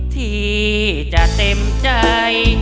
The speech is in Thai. ที่จะเต็มใจ